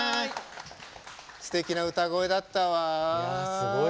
すてきな歌声だったわ。